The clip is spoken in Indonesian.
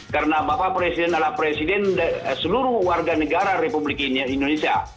karena bapak presiden adalah presiden seluruh warga negara republik indonesia